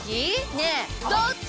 ねえどっち？